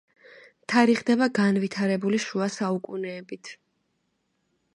თარიღდება განვითარებული შუა საუკუნეებით.